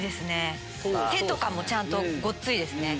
手とかもちゃんとゴツいですね。